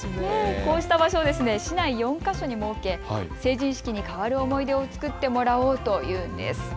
こうした場所を市内４か所に設け成人式に代わる思い出を作ってもらおうというんです。